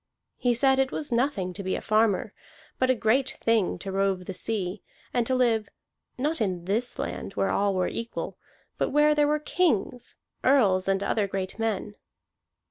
He said it was nothing to be a farmer, but a great thing to rove the sea, and to live, not in this land where all were equal, but where there were kings, earls, and other great men.